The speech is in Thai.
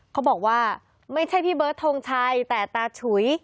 เขาบอกว่าไม่ใช่พี่เบิร์ดทงชัยแต่ตาฉุย